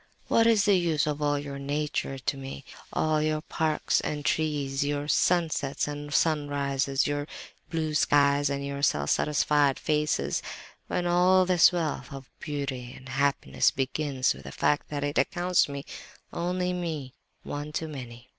What is the use of all your nature to me—all your parks and trees, your sunsets and sunrises, your blue skies and your self satisfied faces—when all this wealth of beauty and happiness begins with the fact that it accounts me—only me—one too many!